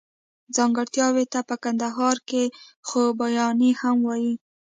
ځانګړتياوو ته په کندهار کښي خوباياني هم وايي.